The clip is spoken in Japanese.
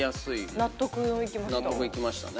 納得いきました。